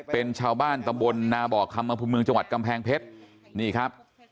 เป็นชาวบ้านตำบลนาบอกคำอภุมเมืองจังหวัดกำแพงเพชรนี่ครับ